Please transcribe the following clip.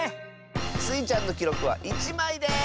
スイちゃんのきろくは１まいです！